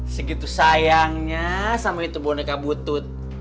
segitu sayangnya sama itu boneka butut